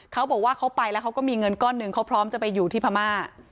เขาบอกว่าเขาไปแล้วเขาก็มีเงินก้อนหนึ่งเขาพร้อมจะไปอยู่ที่พม่า